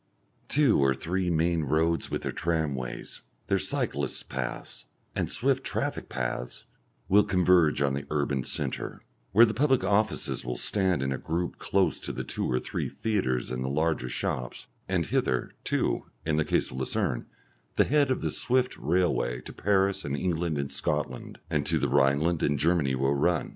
Two or three main roads with their tramways, their cyclists' paths, and swift traffic paths, will converge on the urban centre, where the public offices will stand in a group close to the two or three theatres and the larger shops, and hither, too, in the case of Lucerne, the head of the swift railway to Paris and England and Scotland, and to the Rhineland and Germany will run.